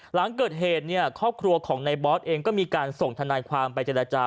หลังเกิดเหตุเนี่ยครอบครัวของในบอสเองก็มีการส่งทนายความไปเจรจา